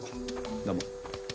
どうも。